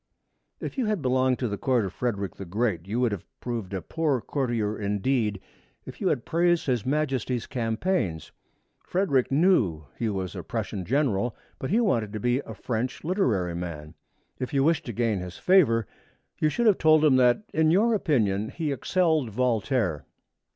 If you had belonged to the court of Frederick the Great, you would have proved a poor courtier indeed if you had praised His Majesty's campaigns. Frederick knew that he was a Prussian general, but he wanted to be a French literary man. If you wished to gain his favor, you should have told him that in your opinion he excelled Voltaire.